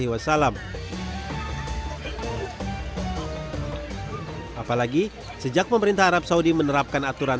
apalagi sejak pemerintah arab saudi menerapkan aturan